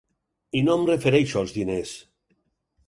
I no em refereixo als diners.